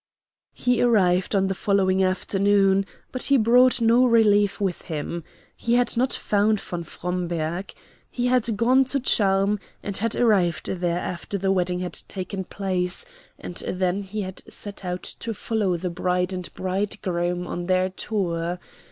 He arrived on the following afternoon, but he brought no relief with him. He had not found von Fromberg. He had gone to Charmes, and had arrived there after the wedding had taken place, and then he had set out to follow the bride and bridegroom on their tour.